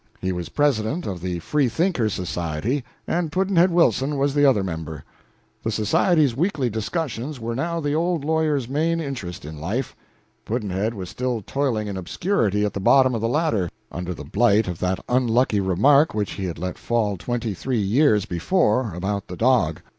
He was president of the Free thinkers' Society, and Pudd'nhead Wilson was the other member. The society's weekly discussions were now the old lawyer's main interest in life. Pudd'nhead was still toiling in obscurity at the bottom of the ladder, under the blight of that unlucky remark which he had let fall twenty three years before about the dog.